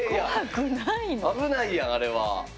危ないやんあれは。